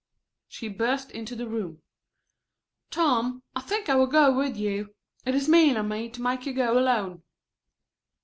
She burst into the room. "Tom, I think I will go with you. It is mean of me to make you go alone."